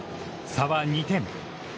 差は２点。